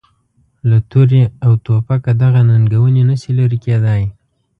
له توره او توپکه دغه ننګونې نه شي لرې کېدای.